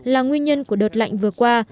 là nguyên nhân của đợt lạnh vừa qua